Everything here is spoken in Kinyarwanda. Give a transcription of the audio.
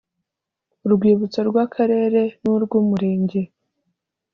urwibutso rw akarere n urw umurenge